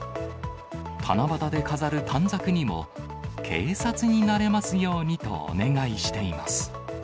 七夕で飾る短冊にも、警察になれますようにとお願いしています。